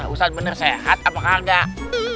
ustaz bener sehat apa kagak